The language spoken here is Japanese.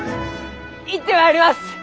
行ってまいります！